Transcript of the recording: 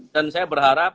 dan saya berharap